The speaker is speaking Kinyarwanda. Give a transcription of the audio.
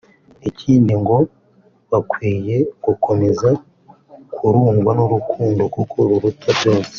ikindi ngo bakwiye gukomeza kurundwa n’urukundo kuko ruruta byose